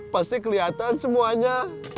pasti kelihatan semuanya